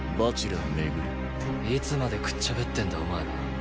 いつまでくっちゃべってんだお前ら。